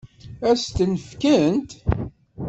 Ad s-ten-fkent?